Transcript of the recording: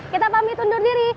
kita pamit undur diri